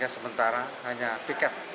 sementara hanya piket